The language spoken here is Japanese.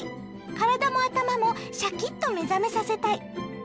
体も頭もシャキッと目覚めさせたい。